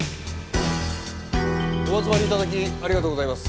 お集まり頂きありがとうございます。